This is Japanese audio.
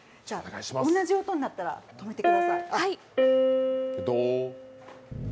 同じ音になったら止めてください。